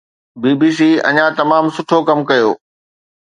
بي B C اڃا تمام سٺو ڪم ڪيو.